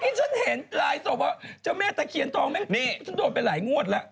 ผู้ส่งมาบอกเจ้าแม่ตะเคียนทองด้นไปหลายงวดแล้ว